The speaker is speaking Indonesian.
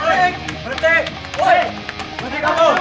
woi berhenti kamu